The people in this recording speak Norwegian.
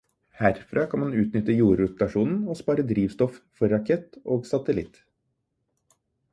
Herfra kan man utnytte jordrotasjonen og spare drivstoff for rakett og satellitt.